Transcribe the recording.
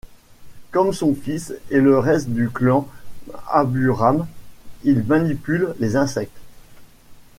Comme son fils et le reste du clan Aburame, il manipule les insectes.